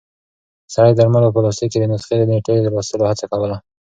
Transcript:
سړی د درملو په پلاستیک کې د نسخې د نیټې د لوستلو هڅه کوله.